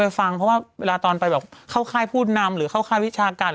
ฟังเพราะว่าเวลาตอนไปแบบเข้าค่ายผู้นำหรือเข้าค่ายวิชาการ